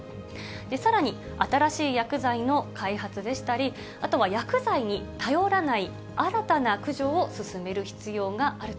さらに新しい薬剤の開発でしたり、あとは薬剤に頼らない新たな駆除を進める必要があると。